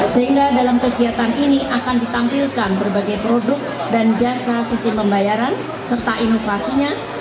sehingga dalam kegiatan ini akan ditampilkan berbagai produk dan jasa sistem pembayaran serta inovasinya